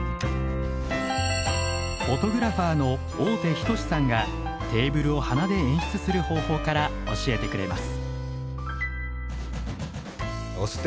フォトグラファーの大手仁志さんがテーブルを花で演出する方法から教えてくれます。